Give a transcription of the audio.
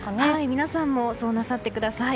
皆さんもそうなさってください。